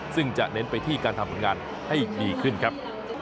ซึ่งจะเน้นไปที่การทำผลงานให้ดีขึ้นครับ